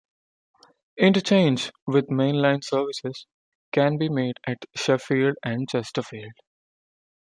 Interchange with mainline services can be made at Sheffield and Chesterfield.